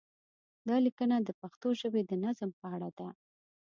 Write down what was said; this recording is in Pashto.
دا لیکنه د پښتو ژبې د نظم په اړه ده.